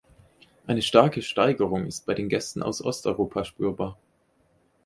Eine starke Steigerung ist bei den Gästen aus Osteuropa spürbar.